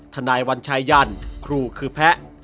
ธนายวันชายันทร์ครูคือแพ้